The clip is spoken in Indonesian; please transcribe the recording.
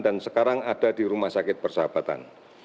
dan sekarang ada di rumah sakit persahabatan